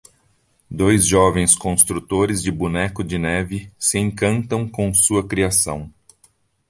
Dois jovens construtores de Boneco de Neve se encantam com sua criação.